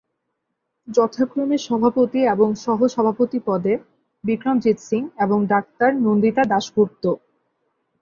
যথাক্রমে সভাপতি এবং সহ-সভাপতি পদে বিক্রম জিত সিং এবং ডাক্তার নন্দিতা দাশগুপ্ত।